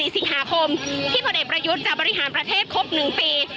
๔สิงหาคมที่พลเอกประยุทธ์จะบริหารประเทศครบ๑ปี